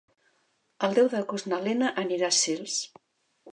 El deu d'agost na Lena anirà a Sils.